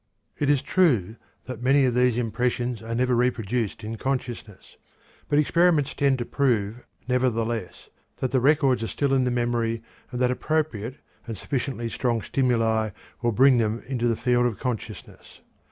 It is true that many of these impressions are never reproduced in consciousness, but experiments tend to prove, nevertheless, that the records are still in the memory and that appropriate and sufficiently strong stimuli will bring them into the field of consciousness.